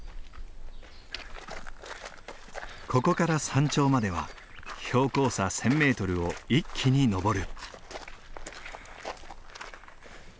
ここから山頂までは標高差１，０００メートルを一気に登る。